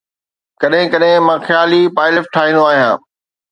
ڪڏهن ڪڏهن مان خيالي پائلف ٺاهيندو آهيان